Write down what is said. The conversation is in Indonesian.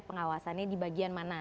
pengawasannya di bagian mana